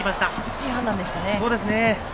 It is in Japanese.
いい判断でしたね。